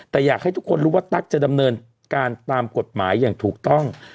แต่อยากให้ทุกคนรู้ว่าตั๊กจะดำเนินการตามกฎหมายอย่างถูกต้อง